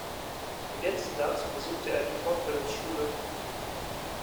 Ergänzend dazu besuchte er die Fortbildungsschule.